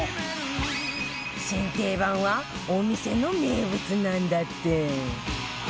新定番はお店の名物なんだって